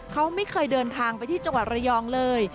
เขาไม่เคยเดินทางไปที่จังหวัดระยองเลย